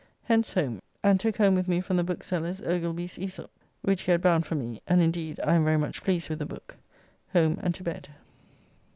Hence home, and took home with me from the bookseller's Ogilby's AEsop, which he had bound for me, and indeed I am very much pleased with the book. Home and to bed.